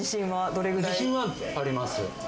自信はあります。